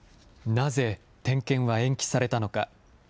なぜ、点検は延期されたのか。